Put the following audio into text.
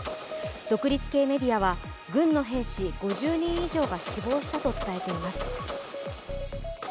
独立系メディアは軍の兵士５０人以上が死亡したと伝えています。